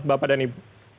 bapak dan ibu